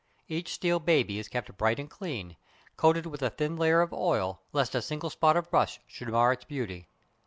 Each steel "baby" is kept bright and clean, coated with a thin layer of oil, lest a single spot of rust should mar its beauty.